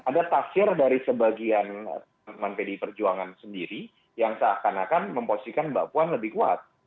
ada tafsir dari sebagian teman pdi perjuangan sendiri yang seakan akan memposisikan mbak puan lebih kuat